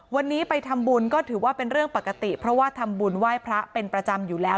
วันนี้ไปทำบุญก็ถือว่าเป็นเรื่องปกติเพราะว่าทำบุญไหว้พระเป็นประจำอยู่แล้ว